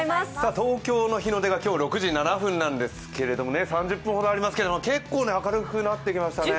東京の日の出が今日６時７分なんですけれども、３０分ほどありますけど、結構明るくなってきましたね。